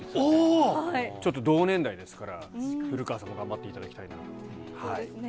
ちょっと同年代ですから、古川さんも頑張っていただきたいそうですね。